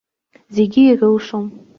Зегь ирылшом.